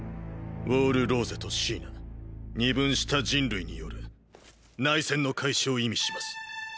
ウォール・ローゼとシーナ二分した人類による内戦の開始を意味します。